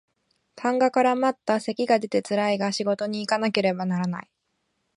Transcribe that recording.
痰が絡まった咳が出てつらいが仕事にいかなければならない